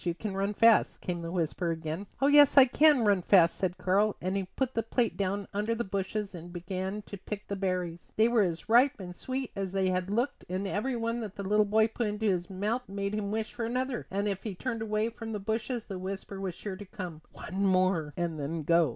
You can run fast," came the whisper again. [Illustration: SOMETHING SEEMED TO WHISPER TO HIM: "STOP, KARL, AND EAT."] "Oh, yes, I can run fast," said Karl; and he put the plate down under the bushes and began to pick the berries. They were as ripe and sweet as they had looked and every one that the little boy put into his mouth made him wish for another; and if he turned away from the bushes the whisper was sure to come: "One more and then go."